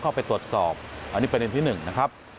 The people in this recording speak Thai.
เข้าไปตรวจสอบอันนี้ประเด็นที่๑นะครับ